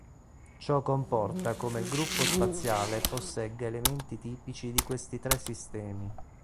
Ciò comporta come il gruppo spaziale possegga elementi tipici di questi tre sistemi.